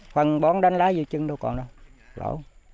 phần bón đánh lái vô chân đâu còn đâu lỗ